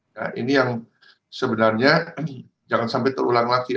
nah ini yang sebenarnya jangan sampai terulang lagi